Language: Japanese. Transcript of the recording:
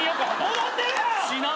戻ってるやん！